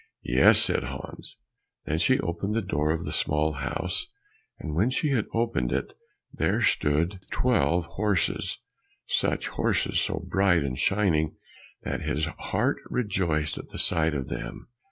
"Yes," said Hans. Then she opened the door of the small house, and when she had opened it, there stood twelve horses, such horses, so bright and shining, that his heart rejoiced at the sight of them.